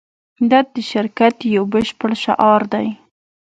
دا د شرکت یو بشپړ شعار دی